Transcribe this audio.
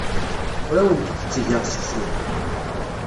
Ur awent-d-ttgeɣ seksu.